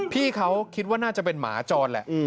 พี่เขาคิดว่าน่าจะเป็นหมาจรแหละ